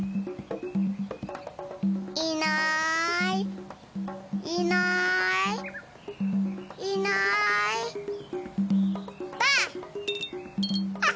いないいないいないばあっ！